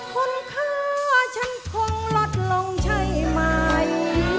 คุณค่าฉันคงลดลงใช่ไหม